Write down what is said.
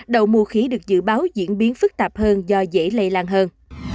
đậu mùa khí được dự báo diễn biến phức tạp hơn do dễ lây lan hơn